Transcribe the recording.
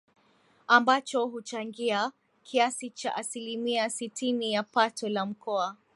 ambacho huchangia kiasi cha asilimia sitini ya pato la Mkoa